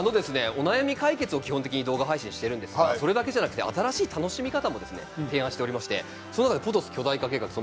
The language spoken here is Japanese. お悩み解決を基本的に動画配信しているんですがそれだけではなく新しい楽しみ方も提案しておりましてその中でポトス巨大化計画。